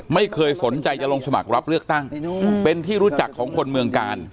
ไม่เคยสนใจจะลงสมัครรับเลือกตั้งเป็นที่รู้จักของคนเมืองกาล